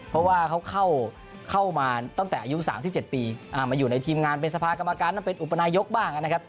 เพราะว่าเขาเข้ามาตั้งแต่อายุ๓๗ปีมาอยู่ในทีมงานเป็นสภากรรมการต้องเป็นอุปนายกบ้างนะครับ